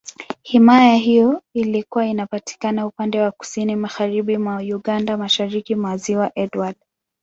Himaya hiyo ilikuwa inapatikana upande wa Kusini Magharibi mwa Uganda, Mashariki mwa Ziwa Edward.